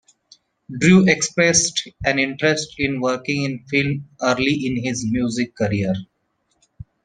Drew expressed an interest in working in film early in his music career.